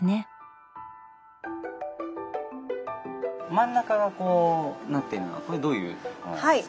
真ん中はこうなってるのはこれどういうものなんですか？